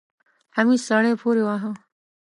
حميد سړی پورې واهه.